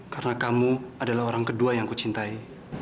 karena kamu adalah orang kedua yang aku cintai